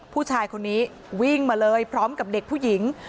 ผู้ชายคนนี้วิ่งมาเลยพร้อมกับเด็กผู้หญิง